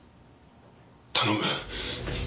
頼む。